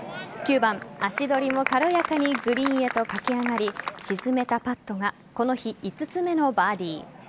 ９番、足取りも軽やかにグリーンへと駆け上がり沈めたパットがこの日、５つ目のバーディー。